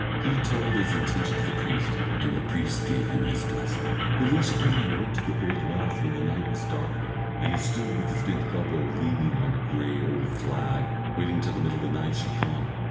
He told his intention to the priest, and the priest gave him his blessing. Guleesh accordingly went to the old rath when the night was darkening, and he stood with his bent elbow leaning on a grey old flag, waiting till the middle of the night should come.